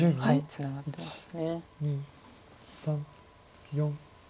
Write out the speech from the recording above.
ツナがってます。